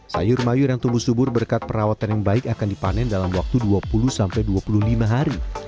sayur mayur yang tumbuh subur berkat perawatan yang baik akan dipanen dalam waktu dua puluh sampai dua puluh lima hari